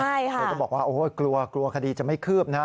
เธอก็บอกว่ากลัวคดีจะไม่คืบนะ